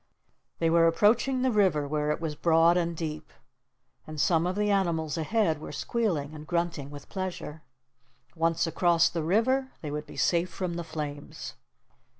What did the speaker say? They were approaching the river where it was broad and deep, and some of the animals ahead were squealing and grunting with pleasure. Once across the river, they would be safe from the flames.